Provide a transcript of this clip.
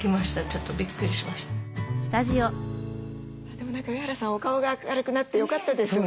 でも何か上原さんお顔が明るくなって良かったですね。